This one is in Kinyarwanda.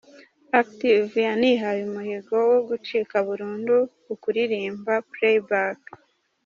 Active yanihaye umuhigo wo gucika burundu ku kuririmba playback.